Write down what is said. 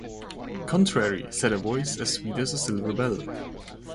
‘Contrary!’ said a voice as sweet as a silver bell.